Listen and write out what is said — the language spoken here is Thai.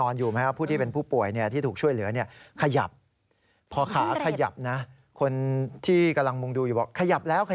เราก็ไม่ขยับแล้ว